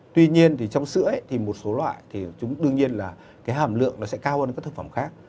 tuy nhiên trong sữa thì một số loại đương nhiên là hàm lượng sẽ cao hơn các thực phẩm khác